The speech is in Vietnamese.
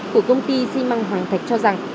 của công ty ximang hoàng thạch cho rằng